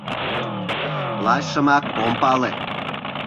Лачшымак ок пале.